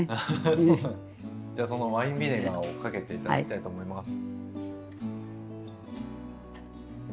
じゃあそのワインビネガーをかけて頂きたいと思います。